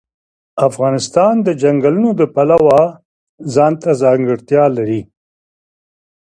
افغانستان د چنګلونه د پلوه ځانته ځانګړتیا لري.